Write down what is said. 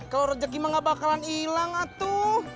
kalau rejeki mak gak bakalan ilang atu